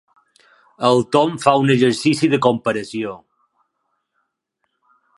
El Tom fa un exercici de comparació.